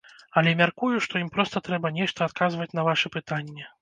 Але мяркую, што ім проста трэба нешта адказваць на вашы пытанні.